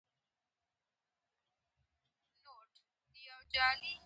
له ما سره مې خپل ملګري هم تللي وه.